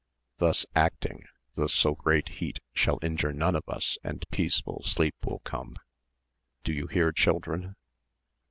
Thus acting the so great heat shall injure none of us and peaceful sleep will come. Do you hear, children?"